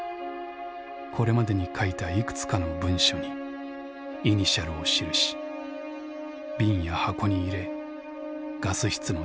これまでに書いたいくつかの文書にイニシャルを記し瓶や箱に入れガス室の近くに埋めた。